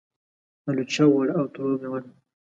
الوچه وړه او تروه مېوه ده.